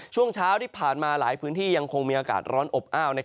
ช่วงเช้าที่ผ่านมาหลายพื้นที่ยังคงมีอากาศร้อนอบอ้าว